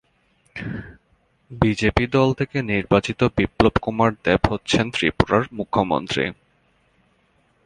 BJP দল থেকে নির্বাচিত বিপ্লব কুমার দেব হচ্ছেন ত্রিপুরার মুখ্যমন্ত্রী।